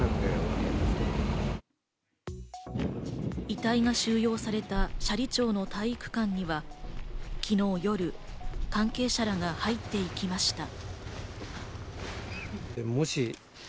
遺体が収容された斜里町の体育館では、昨日の夜、関係者らが入っていきました。